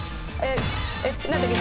何だっけ？